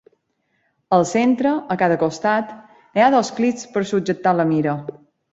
Al centre, a cada costat, hi ha dos clips per subjectar la mira.